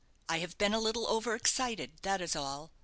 I have been a little over excited, that is all.